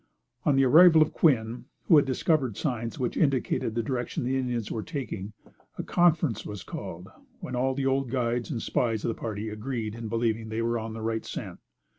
On the arrival of Quinn, who had discovered signs which indicated the direction the Indians were taking, a conference was called, when all the old guides and spies of the party agreed in believing they were on the right scent.